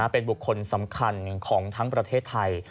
เป็นบุคคลสำคัญของทั้งประเทศไทย